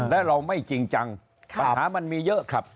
และเราไม่จริงจังปัญหามันมีเยอะครับ